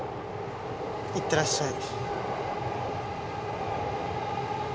いってらっしゃい。